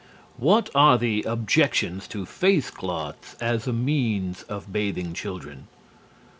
_What are the objections to face cloths as a means of bathing children?